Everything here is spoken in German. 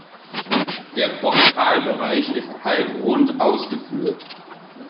Der Portalbereich ist halbrund ausgeführt.